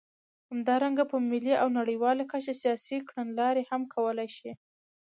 همدارنګه په ملي او نړیواله کچه سیاسي کړنلارې هم کولای شي.